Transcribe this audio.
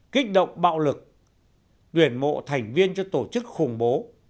kích động bạo lực tuyển mộ thành viên cho tổ chức khủng bố